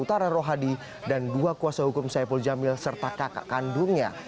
utara rohadi dan dua kuasa hukum saipul jamil serta kakak kandungnya